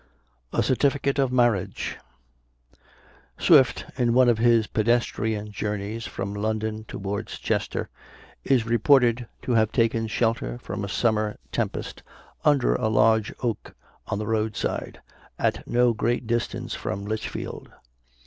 A CERTIFICATE OF MARRIAGE. Swift, in one of his pedestrian journeys from London towards Chester, is reported to have taken shelter from a summer tempest under a large oak on the road side, at no great distance from Litchfield.